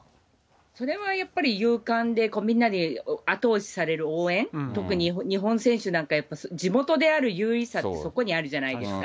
それはやっぱり有観でみんなで後押しされる応援、特に日本選手なんか、やっぱり地元である優位さはそこにあるじゃないですか。